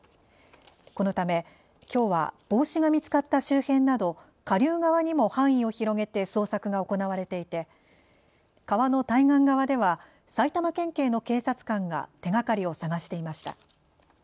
このためきょうは帽子が見つかった周辺など下流側にも範囲を広げて捜索が行われていて川の対岸側では埼玉県警の警察官が手がかりを捜していました。